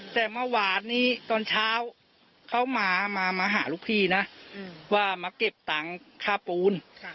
แต่เมื่อวานนี้ตอนเช้าเขามามาหาลูกพี่นะว่ามาเก็บตังค่าปูน